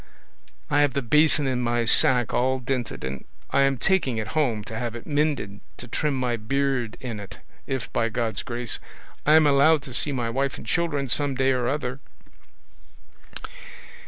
I have the basin in my sack all dinted, and I am taking it home to have it mended, to trim my beard in it, if, by God's grace, I am allowed to see my wife and children some day or other."